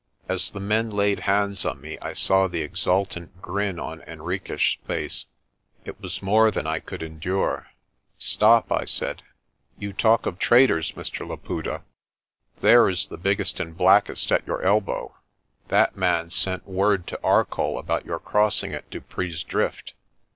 As the men laid hands on me I saw the exultant grin on Henriques' face. It was more than I could endure. "Stop!" I said. "You talk of traitors, Mr. Laputa. 192 PRESTER JOHN There is the biggest and blackest at your elbow. That man sent word to Arcoll about your crossing at Dupree's Drift.